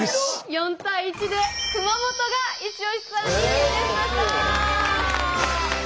４対１で熊本がイチオシツアーに決定しました！